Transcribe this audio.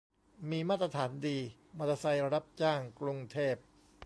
มีมาตรฐานดี มอเตอร์ไซค์รับจ้างกรุงเทพ